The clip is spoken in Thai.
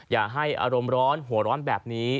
อย่าให้อารมณ์ร้อนหัวร้อนแบบนี้